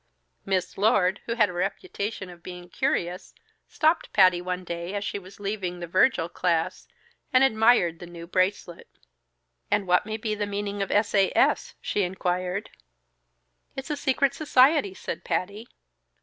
Miss Lord, who had the reputation of being curious, stopped Patty one day as she was leaving the Virgil class, and admired the new bracelet. "And what may be the meaning of S. A. S.?" she inquired. "It's a secret society," said Patty.